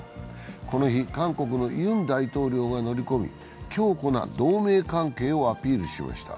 この日韓国のユン大統領が乗り込み、強固な同盟関係をアピールしました。